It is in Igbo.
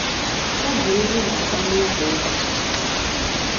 oge ewu na-akpa n'ukwu ụkwa.